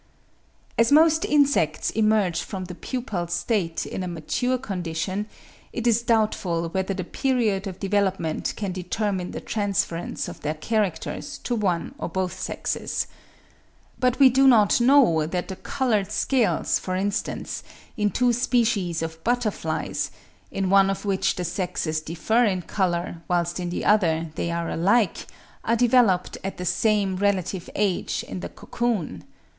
As most insects emerge from the pupal state in a mature condition, it is doubtful whether the period of development can determine the transference of their characters to one or to both sexes. But we do not know that the coloured scales, for instance, in two species of butterflies, in one of which the sexes differ in colour, whilst in the other they are alike, are developed at the same relative age in the cocoon.